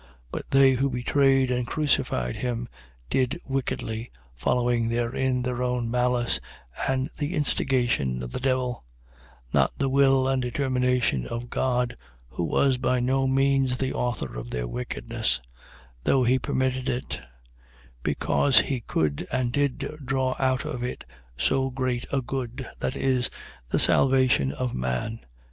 But they who betrayed and crucified him, did wickedly, following therein their own malice and the instigation of the devil; not the will and determination of God, who was by no means the author of their wickedness; though he permitted it; because he could, and did draw out of it so great a good, viz., the salvation of man.